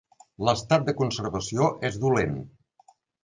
L'estat de conservació és dolent.